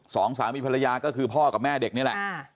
สองสามีภรรยาก็คือพ่อกับแม่เด็กนี่แหละ